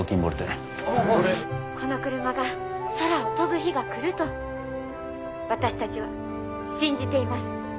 「このクルマが空を飛ぶ日が来ると私たちは信じています」。